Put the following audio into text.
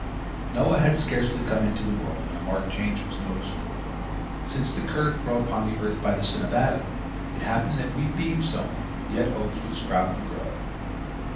Noah had scarcely come into the world when a marked change was noticeable. Since the curse brought upon the earth by the sin of Adam, it happened that wheat being sown, yet oats would sprout and grow.